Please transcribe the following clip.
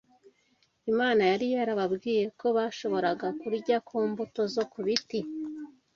Imana yari yarababwiye ko bashoboraga kurya ku mbuto zo ku biti